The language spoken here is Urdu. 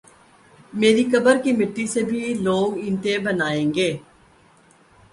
میری قبر کی مٹی سے بھی لوگ اینٹیں بنائی گے ۔